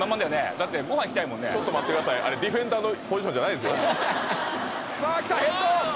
だってごはん行きたいもんねちょっと待ってあれディフェンダーのポジションじゃないですよさあ来たヘッド！